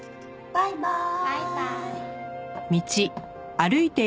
バイバーイ。